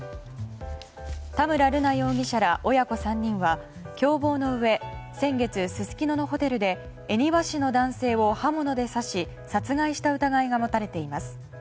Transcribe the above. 田村瑠奈容疑者ら親子３人は共謀のうえ先月、すすきののホテルで恵庭市の男性を刃物で刺し殺害した疑いが持たれています。